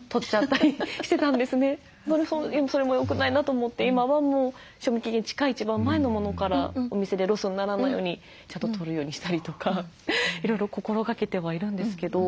それもよくないなと思って今はもう賞味期限近い一番前のものからお店でロスにならないようにちゃんと取るようにしたりとかいろいろ心がけてはいるんですけど。